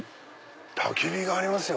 たき火がありますよ。